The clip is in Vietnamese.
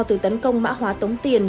từ tấn công mạ hóa tống tiền